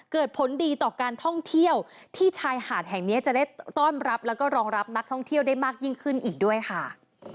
เกิดผลดีต่อการท่องเที่ยวที่ชายหาดแห่งนี้จะได้ต้อนรับแล้วก็รองรับนักท่องเที่ยวได้มากยิ่งขึ้นอีกด้วยค่ะ